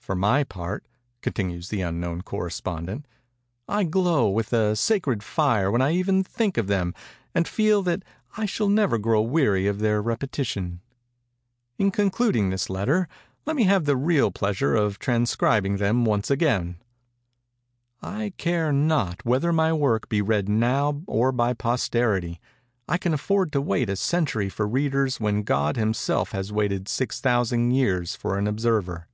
For my part," continues the unknown correspondent, "I glow with a sacred fire when I even think of them, and feel that I shall never grow weary of their repetition:—in concluding this letter, let me have the real pleasure of transcribing them once again:—'_I care not whether my work be read now or by posterity. I can afford to wait a century for readers when God himself has waited six thousand years for an observer.